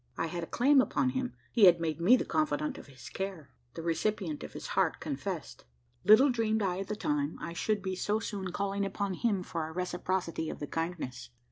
I had a claim upon him: he had made me the confidant of his care the recipient of his heart confessed. Little dreamed I at the time, I should so soon be calling upon him for a reciprocity of the kindness.